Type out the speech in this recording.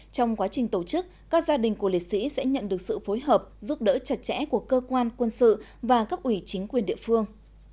trong quá trình tổ chức các gia đình của lịch sĩ sẽ nhận được sự phối hợp giúp đỡ chặt chẽ của cơ quan quân sự và cấp ủy chính quyền địa phương